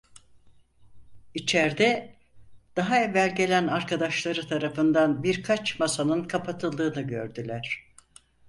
İçerde, daha evvel gelen arkadaşları tarafından birkaç masanın kapatıldığını gördüler.